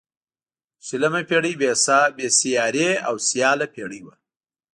شلمه پيړۍ بې سیارې او سیاله پيړۍ وه.